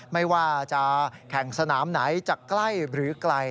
ไม่ว่าจะแข่งสนามไหนจะใกล้หรือไกล